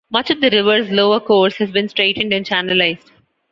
Much of the river's lower course has been straightened and channelized.